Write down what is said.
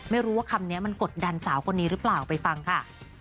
ไม่รู้ว่าคำนี้มันกดดันสาวคนนี้หรือเปล่าไปฟังค่ะ